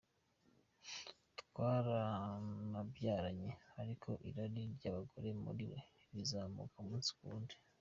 Twaranabyaranye ariko irari ry’abagore muri we rizamuka umunsi ku wundi.